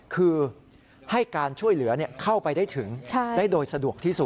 คือให้การช่วยเหลือเข้าไปได้ถึงได้โดยสะดวกที่สุด